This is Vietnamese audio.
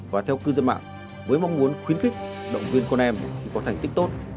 và theo cư dân mạng với mong muốn khuyến khích động viên con em có thành tích tốt